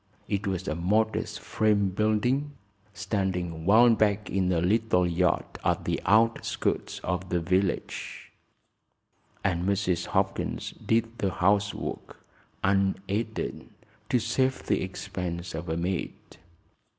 It was a modest frame building standing well back in a little yard at the outskirts of the village, and Mrs. Hopkins did the housework, unaided, to save the expense of a maid.